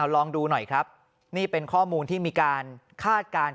ลองดูหน่อยครับนี่เป็นข้อมูลที่มีการคาดการณ์